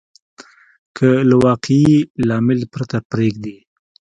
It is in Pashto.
که له واقعي لامل پرته پرېږدي.